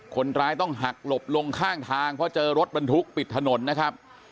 คนร้ายต้องหักหลบลงข้างทางเพราะเจอรถบรรทุกปิดถนนนะครับ